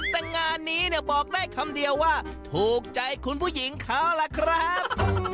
แต่งานนี้เนี่ยบอกได้คำเดียวว่าถูกใจคุณผู้หญิงเขาล่ะครับ